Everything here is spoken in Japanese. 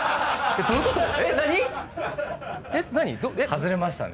外れましたね。